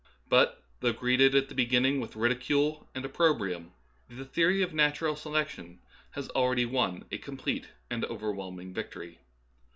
But, though greeted at the beginning with ridicule and opprobrium, the theory of natural selection has already won a complete and overwhelming victory.